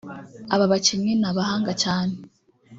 aba bakinnyi ni abahanga cyane